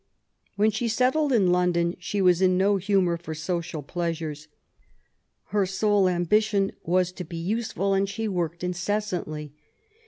When she settled in London, she was in no humour for social pleasures. Her sole ambition was to be useful, and she worked incessantly.